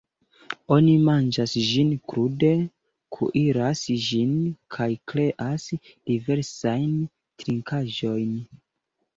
Oni manĝas ĝin krude, kuiras ĝin, kaj kreas diversajn trinkaĵojn.